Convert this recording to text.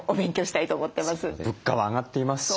物価は上がっていますし。